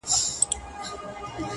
درده بې درده یمه راشه که نه